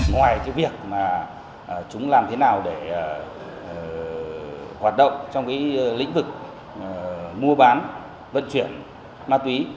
ngoài việc chúng làm thế nào để hoạt động trong lĩnh vực mua bán vận chuyển ma túy